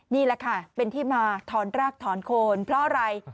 นี่แหละค่ะเป็นที่มาถอนรากถอนโคนเพราะอะไร